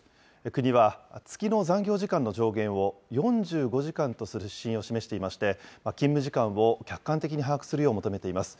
国は、月の残業時間の上限を４５時間とする指針を示していまして、勤務時間を客観的に把握するよう求めています。